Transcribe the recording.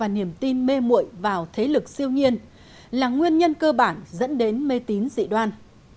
niềm tin mê mụi vào thế lực siêu nhiên là nguyên nhân cơ bản dẫn đến mê tín dị đoan